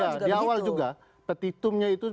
juga begitu petitumnya itu